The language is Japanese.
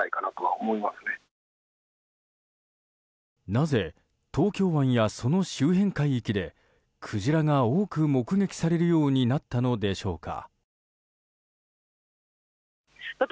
なぜ東京湾やその周辺海域でクジラが多く目撃されるようになったのでしょうか？